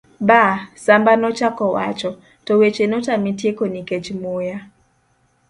ba.. Samba nochako wacho, to weche notame tieko nikech muya